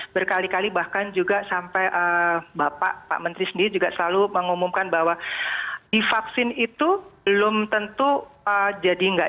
berkali kali bahkan juga sampai bapak pak menteri sendiri juga selalu mengumumkan bahwa di vaksin itu belum tentu jadi enggak